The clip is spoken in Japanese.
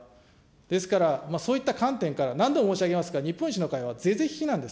ですから、そういった観点から、何度も申し上げますが、日本維新の会は是々非々なんです。